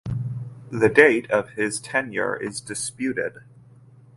The date of his tenure is disputed.